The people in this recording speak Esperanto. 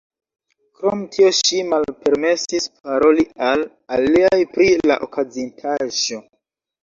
Krom tio ŝi malpermesis paroli al aliaj pri la okazintaĵo.